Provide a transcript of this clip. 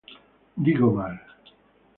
Digo mal.